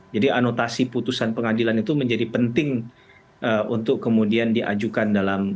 jadi anotasi putusan pengadilan itu menjadi penting untuk kemudian diajukan